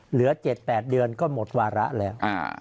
เหลือ๗๘เดือนก็หมดวาระแล้ว